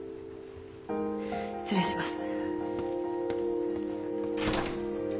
失礼します。